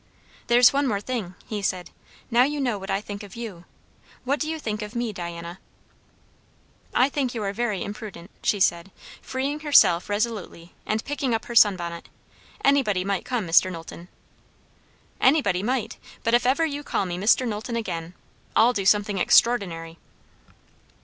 "There's one more thing," he said. "Now you know what I think of you; what do you think of me, Diana?" "I think you are very imprudent," she said, freeing herself resolutely, and picking up her sun bonnet. "Anybody might come, Mr. Knowlton." "Anybody might! But if ever you call me 'Mr. Knowlton' again I'll do something extraordinary."